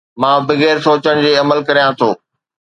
مان بغير سوچڻ جي عمل ڪريان ٿو